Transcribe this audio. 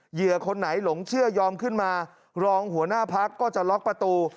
เหยื่อคนไหนหลงเชื่อยอมขึ้นมารองหัวหน้าพักก็จะล็อกประตู